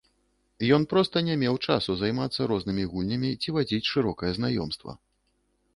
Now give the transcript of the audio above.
Ён проста не меў часу займацца рознымі гульнямі ці вадзіць шырокае знаёмства.